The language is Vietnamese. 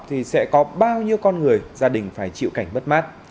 thì sẽ có bao nhiêu con người gia đình phải chịu cảnh mất mát